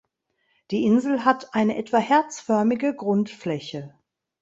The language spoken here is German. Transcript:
Die Insel hat eine etwa herzförmige Grundfläche.